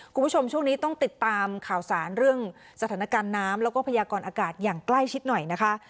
คุณผู้ชมช่วงนี้ต้องติดตามข่าวสารเรื่องสถานการณ์น้ำแล้วก็พยากรอากาศอย่างใกล้ชิดหน่อยนะคะ